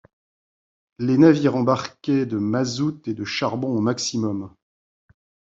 Les navires embarquaient de mazout et de charbon au maximum.